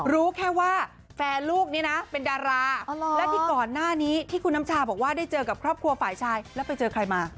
รู้แค่ว่าแฟนลูกนี้นะเป็นดาราและที่ก่อนหน้านี้ที่คุณน้ำชาบอกว่าได้เจอกับครอบครัวฝ่ายชายแล้วไปเจอใครมา